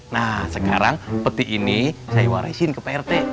nah sekarang peti ini saya warisin ke prt